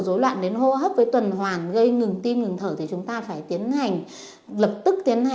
rối loạn đến hô hấp với tuần hoàn gây ngừng tim ngừng thở thì chúng ta phải tiến hành lập tức